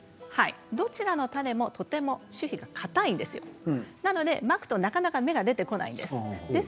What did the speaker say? どちらの種も種皮がかたいのでまくとなかなか芽が出てこないんです。